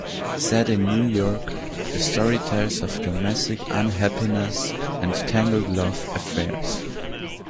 Set in New York, the story tells of domestic unhappiness and tangled love affairs.